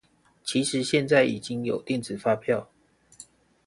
其實現在已經有電子發票